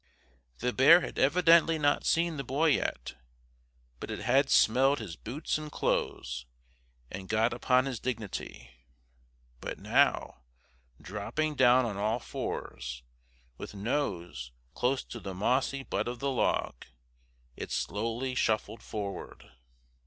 The bear had evidently not seen the boy yet. But it had smelled his boots and clothes, and had got upon his dignity. But now, dropping down on all fours, with nose close to the mossy butt of the log, it slowly shuffled forward.